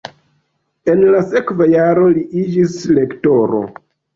En la sekva jaro li iĝis lektoro.